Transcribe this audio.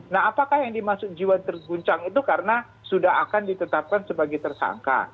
nah apakah yang dimaksud jiwa terguncang itu karena sudah akan ditetapkan sebagai tersangka